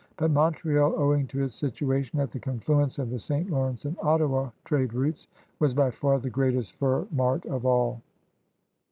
But Montreal, owing to its situation at the confluence of the St. Lawrence and Ottawa trade routes, was by far the greatest fur mart of all.